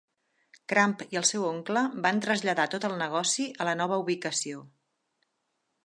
Crump i el seu oncle van traslladar tot el negoci a la nova ubicació.